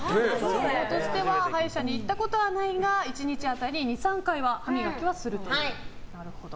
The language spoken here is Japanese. ヒントとしては歯医者に行ったことないが１日当たり２３回は歯磨きをすると。